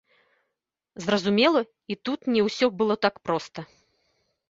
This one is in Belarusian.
Зразумела, і тут не ўсё было так проста.